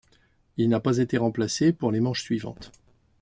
Il n'a pas été remplacé pour les manches suivantes.